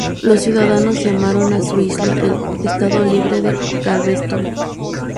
Los ciudadanos llamaron a su isla el "Estado libre de Galveston".